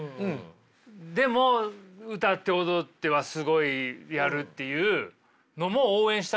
でも歌って踊ってはすごいやるっていうのもどうですか？